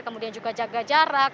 kemudian juga jaga jarak